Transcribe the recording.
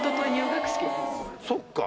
そっか。